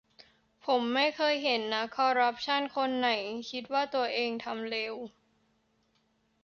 ผมไม่เคยเห็นนักคอร์รัปชันคนไหนคิดว่าตัวเองทำเลว